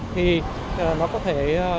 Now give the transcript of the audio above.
thì nó có thể